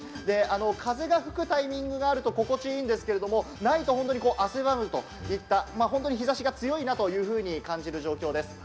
風が吹くタイミングがあると心地いいんですけれども、ないと本当に汗ばむといった、日差しが強いなというふうに感じる状況です。